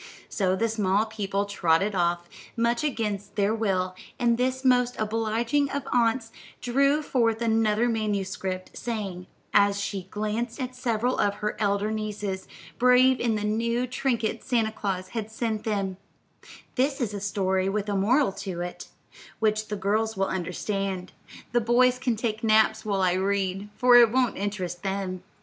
So the small people trotted off, much against their will, and this most obliging of aunts drew forth another manuscript, saying, as she glanced at several of her elder nieces, brave in the new trinkets Santa Claus had sent them: "This is a story with a moral to it, which the girls will understand; the boys can take naps while I read, for it won't interest them."